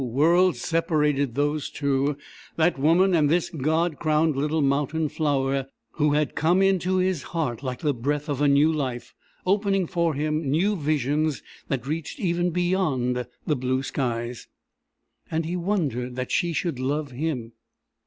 Worlds separated those two that woman and this God crowned little mountain flower who had come into his heart like the breath of a new life, opening for him new visions that reached even beyond the blue skies. And he wondered that she should love him.